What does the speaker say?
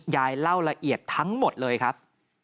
ยายเล่าละเอียดทั้งหมดเลยครับ